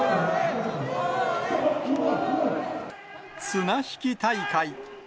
綱引き大会。